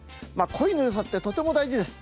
声のよさってとても大事です。